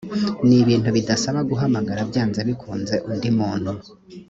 ni ibintu bidasaba guhamagara byanze bikunze undi muntu